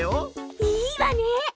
いいわね！